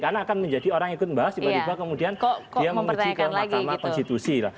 karena akan menjadi orang yang ikut membahas tiba tiba kemudian dia menguji ke mahkamah konstitusi